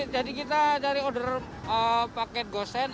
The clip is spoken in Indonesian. jadi kita dari order paket gosen